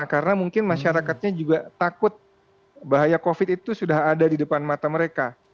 karena mungkin masyarakatnya juga takut bahaya covid itu sudah ada di depan mata mereka